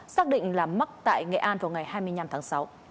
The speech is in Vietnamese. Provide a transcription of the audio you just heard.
xác định là mắc tại nghệ an vào ngày hai mươi năm tháng sáu